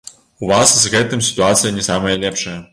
У вас з гэтым сітуацыя не самая лепшая.